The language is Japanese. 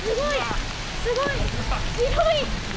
すごい。